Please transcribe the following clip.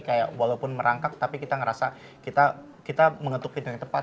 kayak walaupun merangkak tapi kita ngerasa kita mengetuk pintu yang tepat